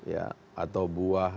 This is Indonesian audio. ya atau buah